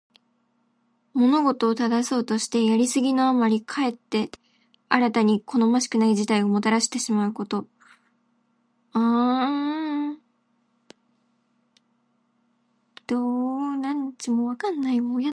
物事を正そうとして、やりすぎのあまりかえって新たに好ましくない事態をもたらしてしまうこと。「枉れるを矯めて直きに過ぐ」とも読む。